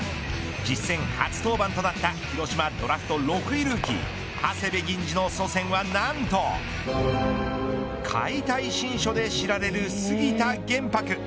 実戦初登板となった広島ドラフト６位ルーキー長谷部銀次の祖先は何と解体新書で知られる杉田玄白。